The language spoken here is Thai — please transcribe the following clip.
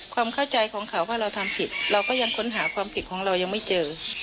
ความเข้าใจของเขาว่าเราทำผิดเราก็ยังค้นหาความผิดของเรายังไม่เจอ